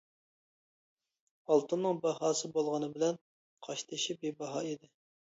ئالتۇننىڭ باھاسى بولغىنى بىلەن قاشتېشى بىباھا ئىدى.